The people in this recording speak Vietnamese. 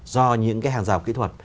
do những cái hàng rào kỹ thuật